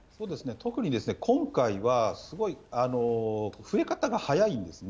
特に今回はすごい増え方が速いんですね。